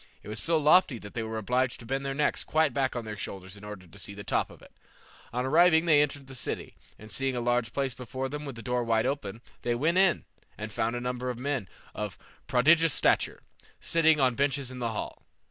It was so lofty that they were obliged to bend their necks quite back on their shoulders in order to see to the top of it. On arriving they entered the city, and seeing a large palace before them with the door wide open, they went in, and found a number of men of prodigious stature, sitting on benches in the hall.